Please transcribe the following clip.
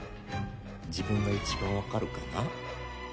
自分が一番わかるかな？